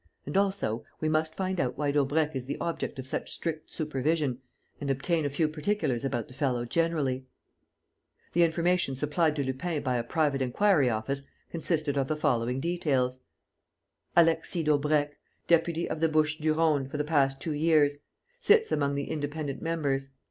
And, also, we must find out why Daubrecq is the object of such strict supervision and obtain a few particulars about the fellow generally." The information supplied to Lupin by a private inquiry office consisted of the following details: "ALEXIS DAUBRECQ, deputy of the Bouches du Rhône for the past two years; sits among the independent members.